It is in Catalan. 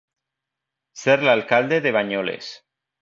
Ser l'alcalde de Banyoles.